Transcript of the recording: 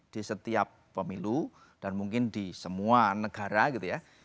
di setiap pemilu dan mungkin di semua negara gitu ya